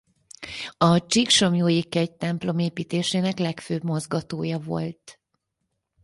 A csíksomlyói kegytemplom építésének legfőbb mozgatója volt.